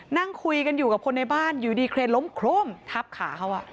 นั่งคุยกันอยู่กับคนในบ้านอยู่ดีเครนล้มโคร่มทับขาเขา